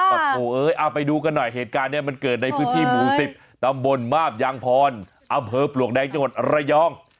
โอ้โหเอ้ยเอาไปดูกันหน่อยเหตุการณ์นี้มันเกิดในพื้นที่หมู่๑๐ตำบลมาบยางพรอำเภอปลวกแดงจังหวัดระยอง